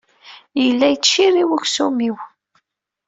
Yella yettcirriw uksum-iw.